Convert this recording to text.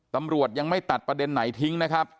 ตำรวจยังไม่ตัดประเด็นไหนทิ้งนะครับ